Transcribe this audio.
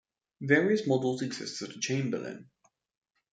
Various models exist of the Chamberlin.